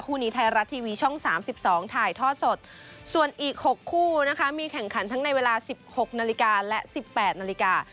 คู่นี้ไทยรัฐทีวีช่อง๓๒ถ่ายทอดสดส่วนอีก๖คู่นะคะมีแข่งขันทั้งในเวลา๑๖นาฬิกาและ๑๘นาฬิกา